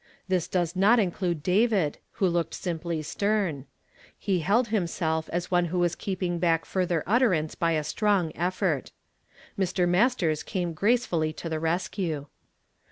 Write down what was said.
This does not include David, who looked simply stern. He held himself as one who was keeping l)ack further utterance by a strong effort. Mr. Mastere came gracefully to the rescue.